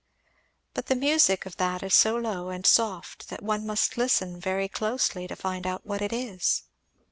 But the music of that is so low and soft that one must listen very closely to find out what it is."